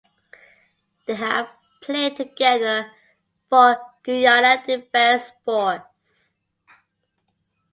They have played together for Guyana Defence Force.